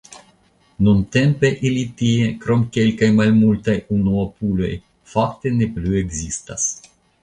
Nuntempe ili tie krom kelkaj malmultaj unuopuloj fakte ne plu ekzistas.